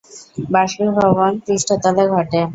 বাষ্পীভবন "পৃষ্ঠতলে" ঘটে।